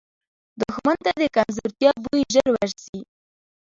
دښمن ته د کمزورتیا بوی ژر وررسي